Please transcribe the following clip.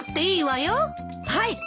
はい！